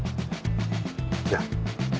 じゃあ。